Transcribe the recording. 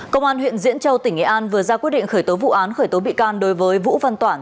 công an huyện diễn châu tỉnh nghệ an vừa ra quyết định khởi tố vụ án khởi tố bị can đối với vũ văn toản